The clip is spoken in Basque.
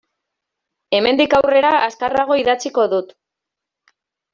Hemendik aurrera azkarrago idatziko dut.